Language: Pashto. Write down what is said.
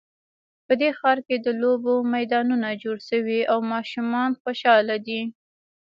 په دې ښار کې د لوبو میدانونه جوړ شوي او ماشومان خوشحاله دي